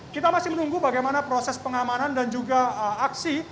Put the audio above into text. kita masih menunggu bagaimana proses pengamanan dan juga aksi